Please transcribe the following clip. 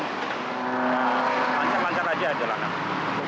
lancar lancar aja jalanan